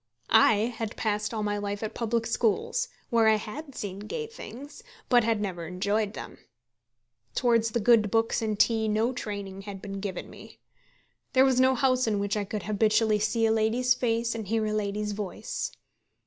I had passed all my life at public schools, where I had seen gay things, but had never enjoyed them. Towards the good books and tea no training had been given me. There was no house in which I could habitually see a lady's face and hear a lady's voice.